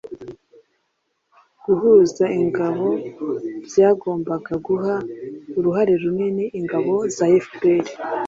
guhuza ingabo byagombaga guha uruhare runini ingabo za fpr